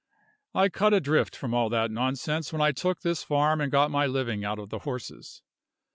I cut adrift from all that nonsense when I took this farm and got my living out of the horses.